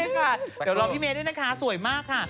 เดี๋ยวรอพี่เมย์ด้วยนะคะสวยมากค่ะ